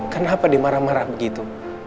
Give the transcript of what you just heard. kenapa dimarah marah begitu